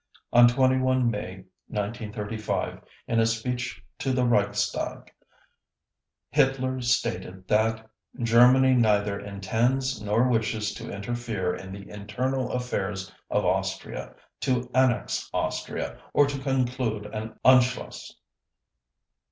On 21 May 1935, in a speech to the Reichstag, Hitler stated that: "Germany neither intends nor wishes to interfere in the internal affairs of Austria, to annex Austria, or to conclude an Anschluss."